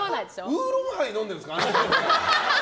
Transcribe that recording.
ウーロンハイ飲んでるんですか？